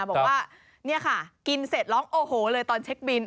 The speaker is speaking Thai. บอกว่านี่ค่ะกินเสร็จร้องโอ้โหเลยตอนเช็คบิน